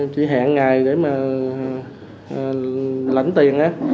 chị hẹn ngày để mà lãnh tiền á